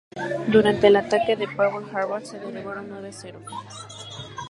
Durante el ataque a Pearl Harbor, se derribaron nueve "Zeros".